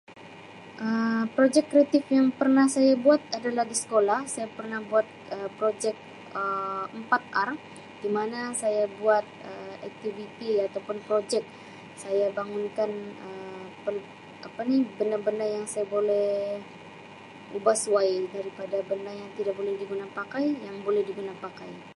Um Projek kreatif yang pernah saya buat adalah di sekolah saya pernah buat Um projek Um empat R dimana saya buat Um aktiviti atau pun projek saya bangunkan Um apa ni benda-benda yang saya boleh ubah suai daripada benda yang tidak boleh diguna pakai yang boleh diguna pakai.